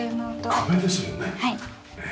はい。